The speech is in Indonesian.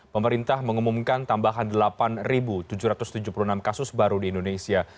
pemerintah mengumumkan tambahan delapan tujuh ratus tujuh puluh enam kasus baru di indonesia